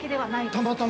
◆たまたま？